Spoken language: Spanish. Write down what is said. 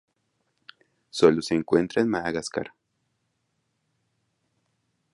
Sólo se encuentra en Madagascar.